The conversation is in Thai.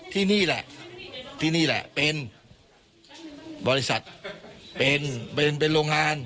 ที่นี่แหละที่นี่แหละเป็นบริษัทเป็นโรงงาน